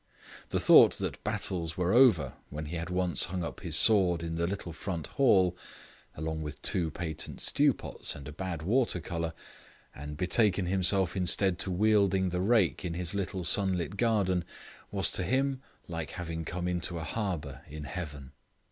The thought that battles were over when he had once hung up his sword in the little front hall (along with two patent stew pots and a bad water colour), and betaken himself instead to wielding the rake in his little sunlit garden, was to him like having come into a harbour in heaven.